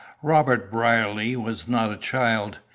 Robert Brierly was not a child.